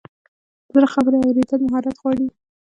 د زړه خبرې اورېدل مهارت غواړي.